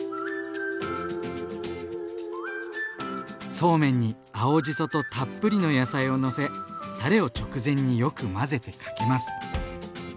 そうめんに青じそとたっぷりの野菜をのせたれを直前によく混ぜてかけます。